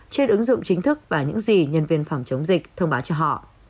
trên ứng dụng chính thức và những gì nhân viên phòng chống dịch thông báo cho họ